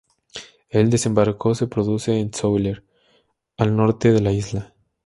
El desembarco se produce en Sóller, al norte de la isla.